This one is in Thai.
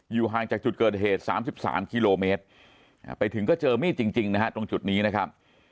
ห่างจากจุดเกิดเหตุ๓๓กิโลเมตรไปถึงก็เจอมีดจริงนะฮะตรงจุดนี้นะครับ